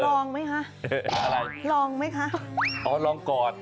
ลองไหมคะลองไหมคะอ๋อลองกอด